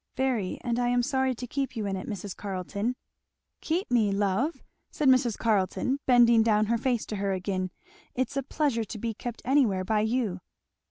"Very, and I am sorry to keep you in it, Mrs. Carleton." "Keep me, love?" said Mrs. Carleton bending down her face to her again; " it's a pleasure to be kept anywhere by you."